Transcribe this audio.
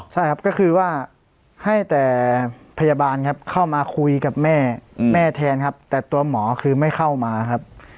ใช่ครับก็คือว่าให้แต่พยาบาลครับเข้ามาคุยกับแม่แม่แทนครับแต่ตัวหมอคือไม่เข้ามาครับ